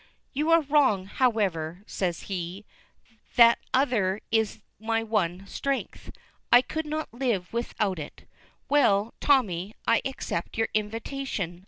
"You are wrong, however," says he; "that other is my one strength. I could not live without it. Well, Tommy, I accept your invitation.